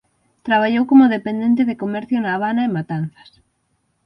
Traballou como dependente de comercio na Habana e Matanzas.